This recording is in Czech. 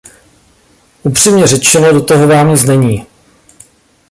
Upřímně řečeno, do toho vám nic není.